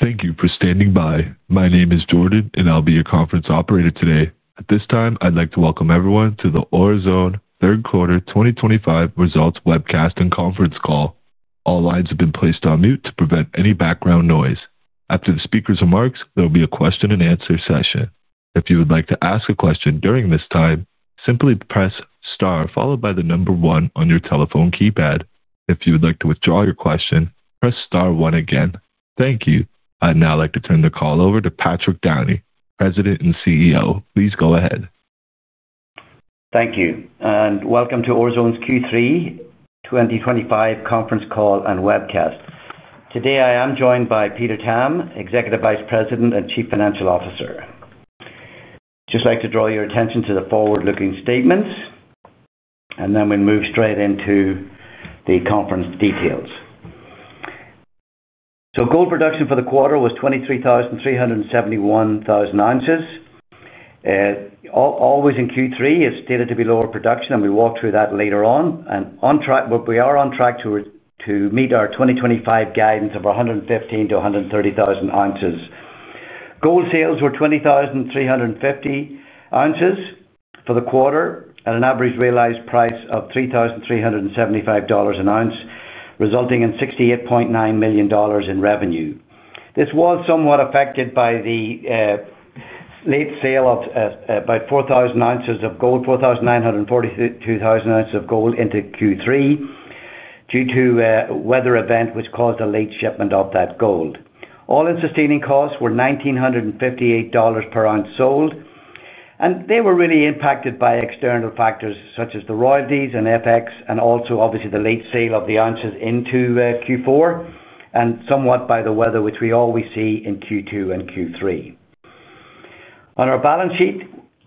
Thank you for standing by. My name is Jordan, and I'll be your conference operator today. At this time, I'd like to welcome everyone to the Orezone Q3 2025 results webcast and conference call. All lines have been placed on mute to prevent any background noise. After the speaker's remarks, there will be a question-and-answer session. If you would like to ask a question during this time, simply press star, followed by the number one on your telephone keypad. If you would like to withdraw your question, press star one again. Thank you. I'd now like to turn the call over to Patrick Downey, President and CEO. Please go ahead. Thank you, and welcome to Orezone's Q3 2025 conference call and webcast. Today, I am joined by Peter Tam, Executive Vice President and Chief Financial Officer. Just like to draw your attention to the forward-looking statements, and then we'll move straight into the conference details. Gold production for the quarter was 23,371 ounces. Always in Q3, it's stated to be lower production, and we'll walk through that later on. We are on track to meet our 2025 guidance of 115,000-130,000 ounces. Gold sales were 20,350 ounces for the quarter, at an average realized price of $3,375 an ounce, resulting in $68.9 million in revenue. This was somewhat affected by the late sale of about 4,000 ounces of gold into Q3 due to a weather event which caused a late shipment of that gold. All in sustaining costs were $1,958 per ounce sold, and they were really impacted by external factors such as the royalties and FX, and also obviously the late sale of the ounces into Q4, and somewhat by the weather which we always see in Q2 and Q3. On our balance sheet,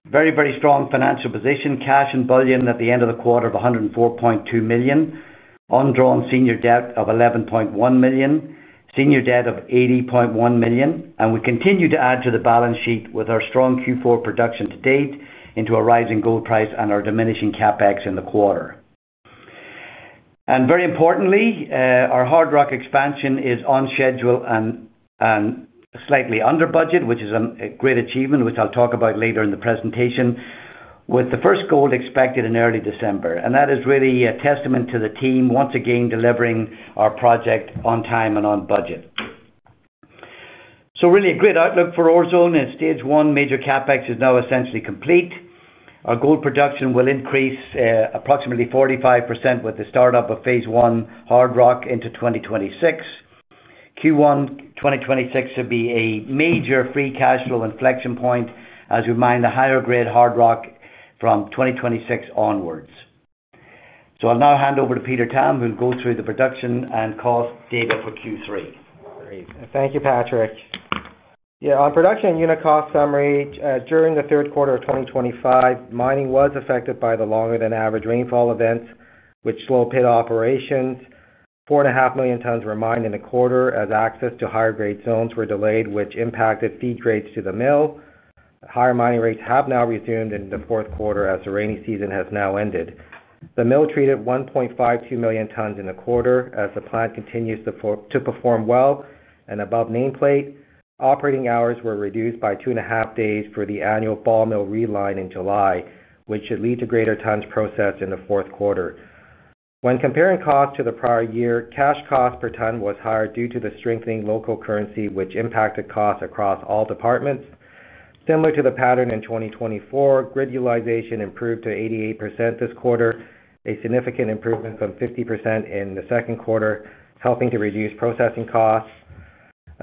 very, very strong financial position, cash and bullion at the end of the quarter of $104.2 million, on-drawn senior debt of $11.1 million, senior debt of $80.1 million, and we continue to add to the balance sheet with our strong Q4 production to date into a rising gold price and our diminishing CapEx in the quarter. Very importantly, our hard rock expansion is on schedule and slightly under budget, which is a great achievement, which I'll talk about later in the presentation, with the first gold expected in early December. That is really a testament to the team once again delivering our project on time and on budget. Really a great outlook for Orezone. Stage one major CapEx is now essentially complete. Our gold production will increase approximately 45% with the startup of phase one hard rock into 2026. Q1 2026 should be a major free cash flow inflection point as we mine the higher grade hard rock from 2026 onwards. I will now hand over to Peter Tam, who will go through the production and cost data for Q3. Great. Thank you, Patrick. Yeah, on production and unit cost summary, during the third quarter of 2025, mining was affected by the longer-than-average rainfall events, which slowed pit operations. 4.5 million tons were mined in the quarter as access to higher grade zones were delayed, which impacted feed grades to the mill. Higher mining rates have now resumed in the fourth quarter as the rainy season has now ended. The mill treated 1.52 million tons in the quarter as the plant continues to perform well and above nameplate. Operating hours were reduced by two and a half days for the annual ball mill reline in July, which should lead to greater tons processed in the fourth quarter. When comparing costs to the prior year, cash cost per ton was higher due to the strengthening local currency, which impacted costs across all departments. Similar to the pattern in 2024, grid utilization improved to 88% this quarter, a significant improvement from 50% in the second quarter, helping to reduce processing costs.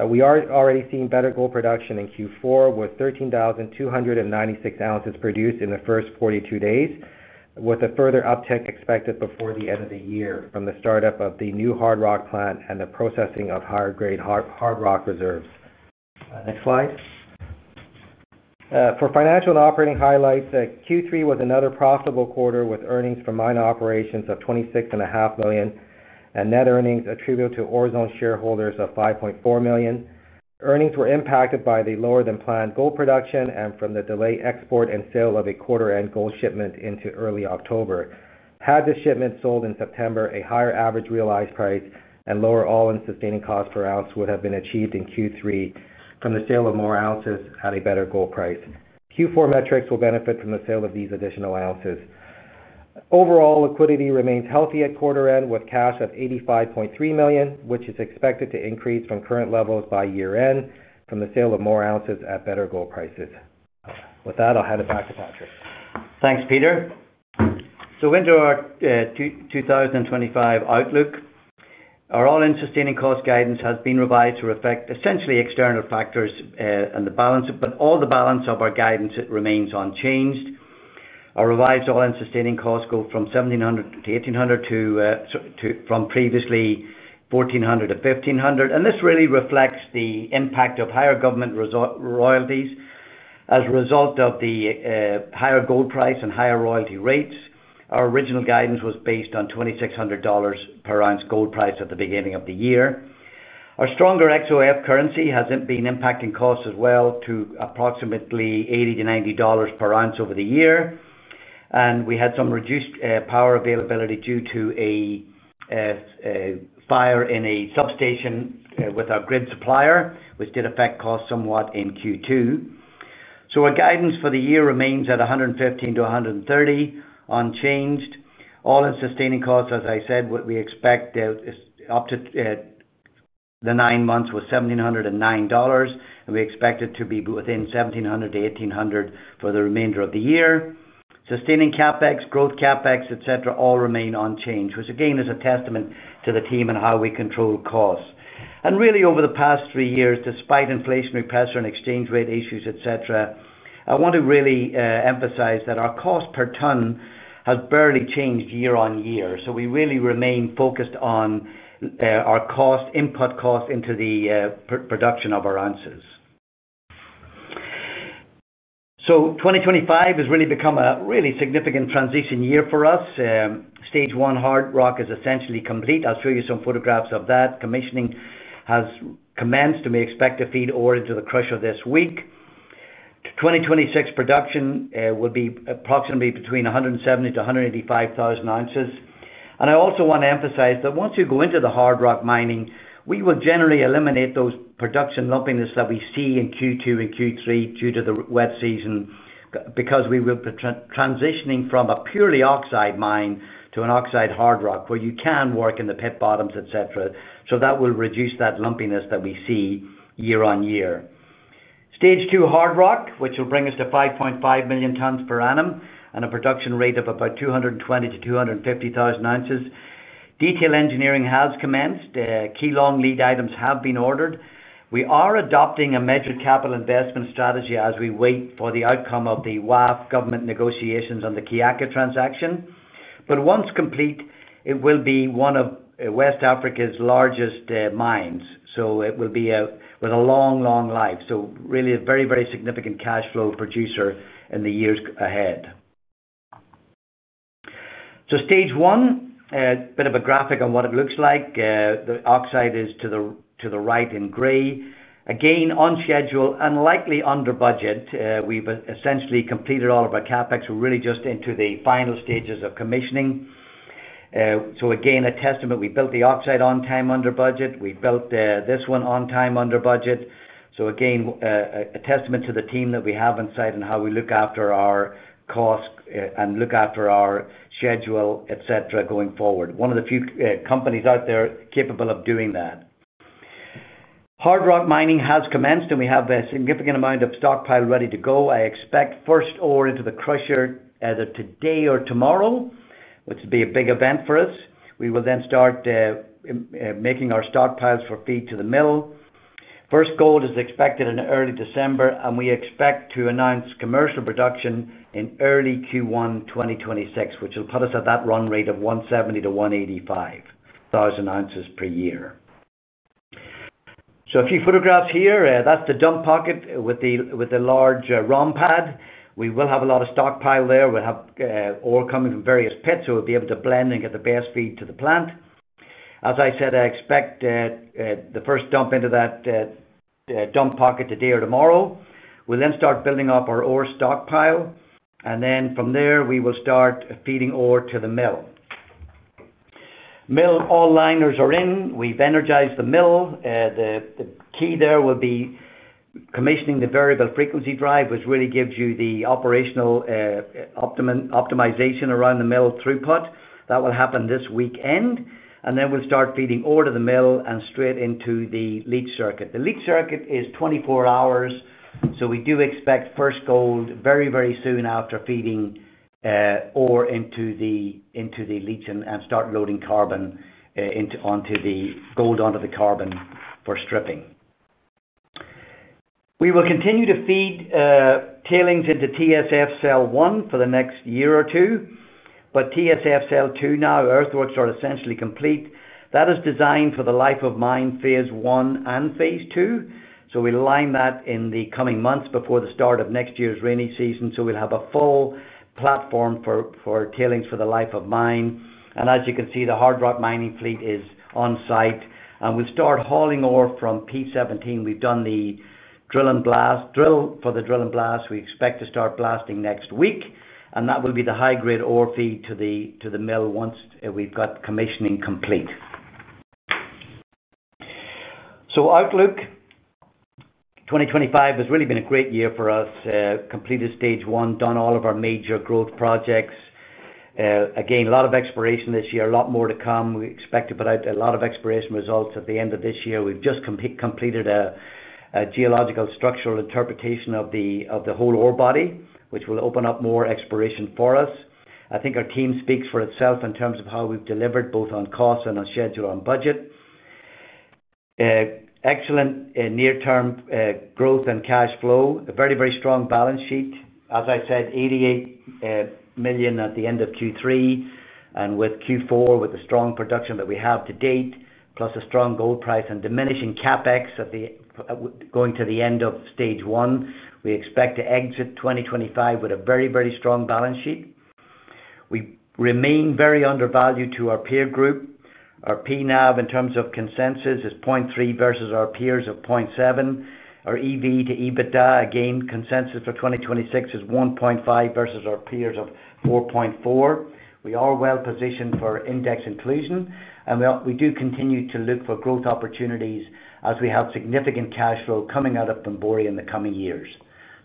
We are already seeing better gold production in Q4 with 13,296 ounces produced in the first 42 days, with a further uptick expected before the end of the year from the startup of the new hard rock plant and the processing of higher grade hard rock reserves. Next slide. For financial and operating highlights, Q3 was another profitable quarter with earnings from mine operations of $26.5 million and net earnings attributable to Orezone shareholders of $5.4 million. Earnings were impacted by the lower-than-planned gold production and from the delayed export and sale of a quarter-end gold shipment into early October. Had the shipment sold in September, a higher average realized price and lower all in sustaining cost per ounce would have been achieved in Q3 from the sale of more ounces at a better gold price. Q4 metrics will benefit from the sale of these additional ounces. Overall, liquidity remains healthy at quarter-end with cash of $85.3 million, which is expected to increase from current levels by year-end from the sale of more ounces at better gold prices. With that, I'll hand it back to Patrick. Thanks, Peter. Into our 2025 outlook, our all in sustaining cost guidance has been revised to reflect essentially external factors and the balance of all the balance of our guidance remains unchanged. Our revised all in sustaining costs go from $1,700-$1,800 from previously $1,400-$1,500. This really reflects the impact of higher government royalties as a result of the higher gold price and higher royalty rates. Our original guidance was based on $2,600 per ounce gold price at the beginning of the year. Our stronger XOF currency has been impacting costs as well to approximately $80-$90 per ounce over the year. We had some reduced power availability due to a fire in a substation with our grid supplier, which did affect costs somewhat in Q2. Our guidance for the year remains at 115-130, unchanged. All in sustaining costs, as I said, what we expect up to the nine months was $1,709, and we expect it to be within $1,700-$1,800 for the remainder of the year. Sustaining CapEx, growth CapEx, et cetera, all remain unchanged, which again is a testament to the team and how we control costs. Really, over the past three years, despite inflationary pressure and exchange rate issues, et cetera, I want to really emphasize that our cost per ton has barely changed year on year. We really remain focused on our input cost into the production of our ounces. 2025 has really become a really significant transition year for us. Stage one hard rock is essentially complete. I'll show you some photographs of that. Commissioning has commenced, and we expect to feed ore into the crusher this week. 2026 production will be approximately between 170,000-185,000 ounces. I also want to emphasize that once you go into the hard rock mining, we will generally eliminate those production lumpiness that we see in Q2 and Q3 due to the wet season because we will be transitioning from a purely oxide mine to an oxide hard rock where you can work in the pit bottoms, et cetera. That will reduce that lumpiness that we see year on year. Stage two hard rock, which will bring us to 5.5 million tons per annum and a production rate of about 220,000-250,000 ounces. Detail engineering has commenced. Key long lead items have been ordered. We are adopting a measured capital investment strategy as we wait for the outcome of the WAF government negotiations on the Kiaka transaction. Once complete, it will be one of West Africa's largest mines. It will be with a long, long life. Really a very, very significant cash flow producer in the years ahead. Stage one, a bit of a graphic on what it looks like. The oxide is to the right in gray. Again, on schedule, unlikely under budget. We have essentially completed all of our CapEx. We are really just into the final stages of commissioning. Again, a testament we built the oxide on time under budget. We built this one on time under budget. Again, a testament to the team that we have inside and how we look after our costs and look after our schedule, et cetera, going forward. One of the few companies out there capable of doing that. Hard rock mining has commenced, and we have a significant amount of stockpile ready to go. I expect first ore into the crusher either today or tomorrow, which will be a big event for us. We will then start making our stockpiles for feed to the mill. First gold is expected in early December, and we expect to announce commercial production in early Q1 2026, which will put us at that run rate of 170,000-185,000 ounces per year. A few photographs here. That is the dump pocket with the large ROM pad. We will have a lot of stockpile there. We will have ore coming from various pits, so we will be able to blend and get the best feed to the plant. As I said, I expect the first dump into that dump pocket today or tomorrow. We will then start building up our ore stockpile. From there, we will start feeding ore to the mill. Mill all liners are in. We've energized the mill. The key there will be commissioning the variable frequency drive, which really gives you the operational optimization around the mill throughput. That will happen this weekend. We will start feeding ore to the mill and straight into the leach circuit. The leach circuit is 24 hours, so we do expect first gold very, very soon after feeding ore into the leach and start loading carbon onto the gold under the carbon for stripping. We will continue to feed tailings into TSF cell one for the next year or two, but TSF cell two now, earthworks are essentially complete. That is designed for the life of mine phase I and phase II. We will line that in the coming months before the start of next year's rainy season. We'll have a full platform for tailings for the life of mine. As you can see, the hard rock mining fleet is on site. We'll start hauling ore from P17. We've done the drill and blast for the drill and blast. We expect to start blasting next week. That will be the high-grade ore feed to the mill once we've got commissioning complete. Outlook 2025 has really been a great year for us. Completed stage one, done all of our major growth projects. Again, a lot of exploration this year, a lot more to come. We expect to put out a lot of exploration results at the end of this year. We've just completed a geological structural interpretation of the whole ore body, which will open up more exploration for us. I think our team speaks for itself in terms of how we've delivered both on cost and on schedule and budget. Excellent near-term growth and cash flow, a very, very strong balance sheet. As I said, $88 million at the end of Q3. With Q4, with the strong production that we have to date, plus a strong gold price and diminishing CapEx going to the end of stage one, we expect to exit 2025 with a very, very strong balance sheet. We remain very undervalued to our peer group. Our PNAV in terms of consensus is 0.3 versus our peers of 0.7. Our EV to EBITDA, again, consensus for 2026 is 1.5 versus our peers of 4.4. We are well positioned for index inclusion. We do continue to look for growth opportunities as we have significant cash flow coming out of Bomboré in the coming years.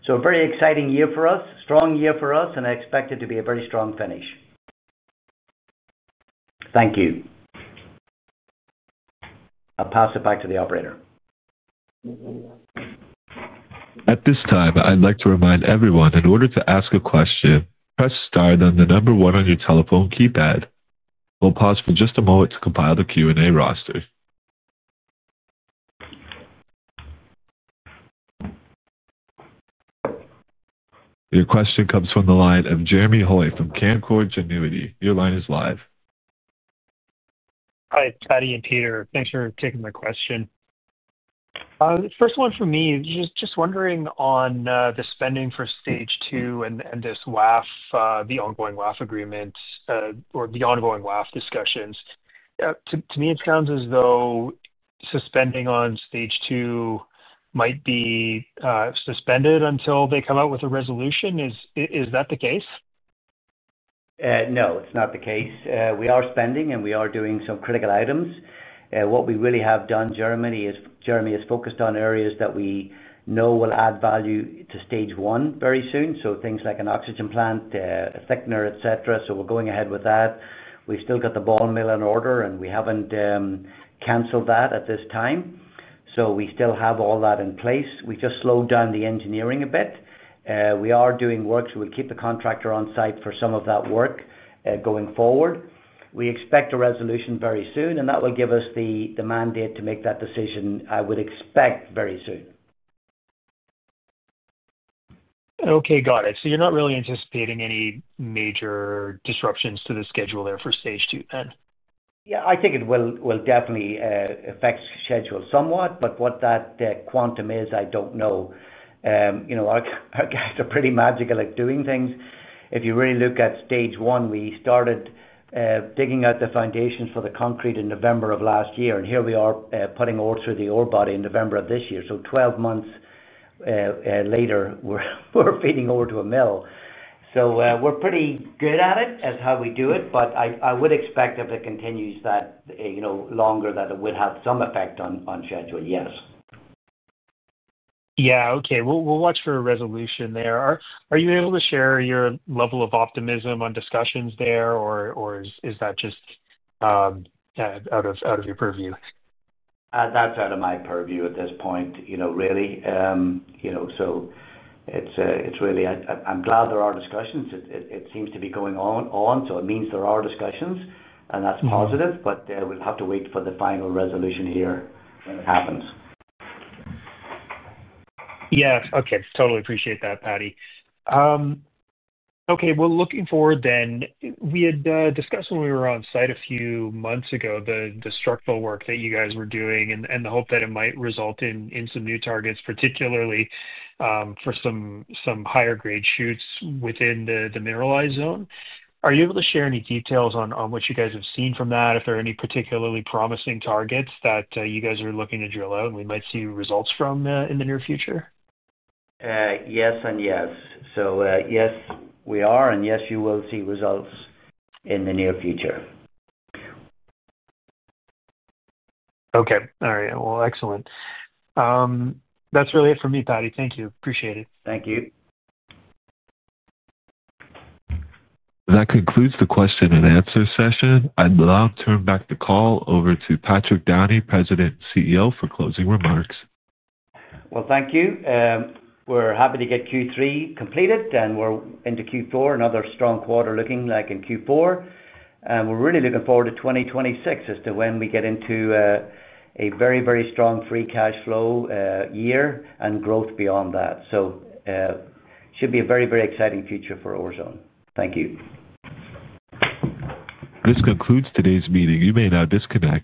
A very exciting year for us, strong year for us, and I expect it to be a very strong finish. Thank you. I'll pass it back to the operator. At this time, I'd like to remind everyone in order to ask a question, press star then the number one on your telephone keypad. We'll pause for just a moment to compile the Q&A roster. Your question comes from the line of Jeremy Hoyt from Canaccord Genuity. Your line is live. Hi, Patrick and Peter. Thanks for taking my question. First one for me, just wondering on the spending for stage two and this WAF, the ongoing WAF agreement or the ongoing WAF discussions. To me, it sounds as though spending on stage two might be suspended until they come out with a resolution. Is that the case? No, it's not the case. We are spending and we are doing some critical items. What we really have done, Jeremy, is Jeremy has focused on areas that we know will add value to stage one very soon. Things like an oxygen plant, a thickener, et cetera. We are going ahead with that. We've still got the ball mill in order and we haven't canceled that at this time. We still have all that in place. We just slowed down the engineering a bit. We are doing work. We'll keep the contractor on site for some of that work going forward. We expect a resolution very soon and that will give us the mandate to make that decision, I would expect, very soon. Okay, got it. So you're not really anticipating any major disruptions to the schedule there for stage two then? Yeah, I think it will definitely affect schedule somewhat, but what that quantum is, I don't know. Our guys are pretty magical at doing things. If you really look at stage one, we started digging out the foundations for the concrete in November of last year. Here we are putting ore through the ore body in November of this year. Twelve months later, we're feeding ore to a mill. We're pretty good at it as how we do it, but I would expect if it continues that longer that it would have some effect on schedule, yes. Yeah, okay. We'll watch for a resolution there. Are you able to share your level of optimism on discussions there or is that just out of your purview? That's out of my purview at this point, really. It's really, I'm glad there are discussions. It seems to be going on, so it means there are discussions and that's positive, but we'll have to wait for the final resolution here when it happens. Yeah, okay. Totally appreciate that, Paddy. Okay, looking forward then, we had discussed when we were on site a few months ago the structural work that you guys were doing and the hope that it might result in some new targets, particularly for some higher-grade chutes within the mineralized zone. Are you able to share any details on what you guys have seen from that, if there are any particularly promising targets that you guys are looking to drill out and we might see results from in the near future? Yes and yes. Yes, we are and yes, you will see results in the near future. Okay. All right. Excellent. That's really it for me, Toddy. Thank you. Appreciate it. Thank you. That concludes the question and answer session. I'd now turn back the call over to Patrick Downey, President and CEO, for closing remarks. Thank you. We're happy to get Q3 completed and we're into Q4, another strong quarter looking like in Q4. We're really looking forward to 2026 as to when we get into a very, very strong free cash flow year and growth beyond that. It should be a very, very exciting future for Orezone. Thank you. This concludes today's meeting. You may now disconnect.